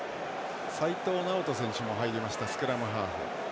齋藤直人選手も入りました、スクラムハーフ。